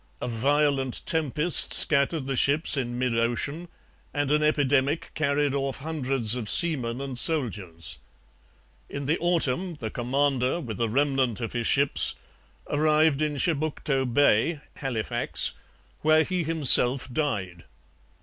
A violent tempest scattered the ships in mid ocean and an epidemic carried off hundreds of seamen and soldiers. In the autumn the commander, with a remnant of his ships, arrived in Chebucto Bay (Halifax), where he himself died.